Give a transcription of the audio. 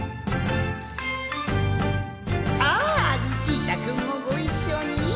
さあルチータくんもごいっしょに。